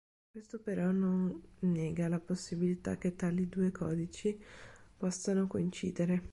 Questo però non nega la possibilità che tali due codici possano coincidere.